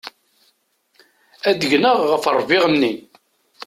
Ad gneɣ ɣef ṛṛbiɣ-nni.